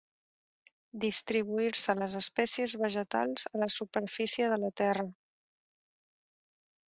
Distribuir-se les espècies vegetals a la superfície de la terra.